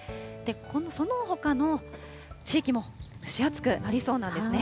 そのほかの地域も、蒸し暑くなりそうなんですね。